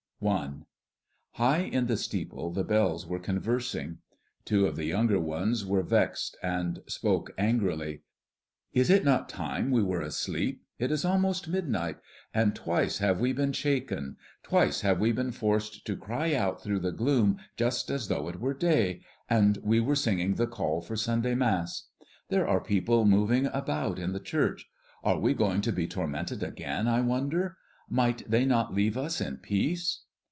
I. High in the steeple the bells were conversing. Two of the younger ones were vexed and spoke angrily, "Is it not time we were asleep? It is almost midnight, and twice have we been shaken, twice have we been forced to cry out through the gloom just as though it were day, and we were singing the call for Sunday Mass. There are people moving about in the church; are we going to be tormented again, I wonder? Might they not leave us in peace?"